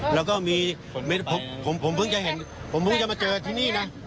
แล้วก็มีผมเพิ่งจะเห็นผมเพิ่งจะมาเจอที่นี่นะ